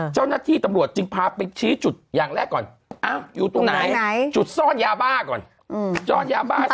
เจ้าหน้าที่ตำรวจจึงพาไปชี้จุดอย่างแรกก่อนอยู่ตรงไหนจุดซ่อนยาบ้าก่อนซ่อนยาบ้า